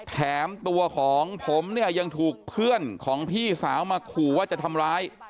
แถมตัวของผมเนี่ยยังถูกเพื่อนของพี่สาวมาขู่ว่าจะทำร้าย